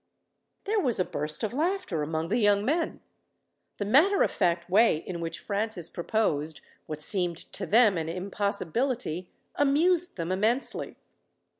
There was a burst of laughter among the young men. The matter of fact way in which Francis proposed, what seemed to them an impossibility, amused them immensely.